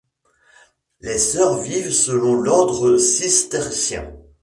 Les sœurs vivent selon l'ordre cistercien.